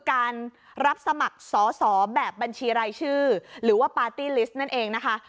การรับสมัครสอสอแบบบัญชีรายชื่อหรือว่าปาร์ตี้ลิสต์นั่นเองนะคะ